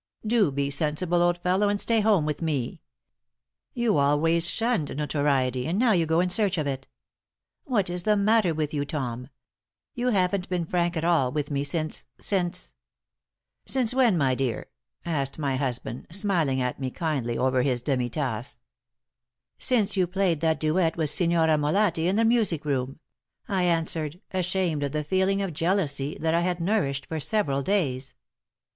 Do be sensible, old fellow, and stay home with me. You always shunned notoriety and now you go in search of it. What is the matter with you, Tom? You haven't been at all frank with me since since " "Since when, my dear?" asked my husband, smiling at me kindly over his demi tasse. "Since you played that duet with Signorina Molatti in the music room," I answered, ashamed of the feeling of jealousy that I had nourished for several days.